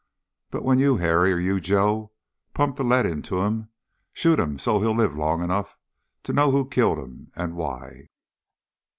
But when you, Harry, or you, Joe, pump the lead into him, shoot him so's he'll live long enough to know who killed him and why!"